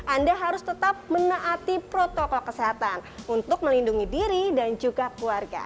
anda harus tetap menaati protokol kesehatan untuk melindungi diri dan juga keluarga